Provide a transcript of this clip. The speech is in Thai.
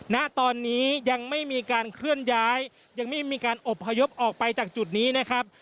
ณตอนนี้ยังไม่มีการเคลื่อนย้ายยังไม่มีการอบพยพออกไปจากจุดนี้นะครับ